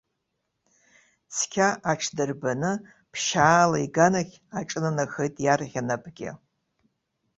Цқьа аҽдырбаны, ԥшьаала иганахь аҿынанахеит иарӷьа напгьы.